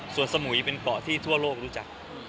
ส่วนสมุยเป็นเกาะที่ทั่วโลกรู้จัก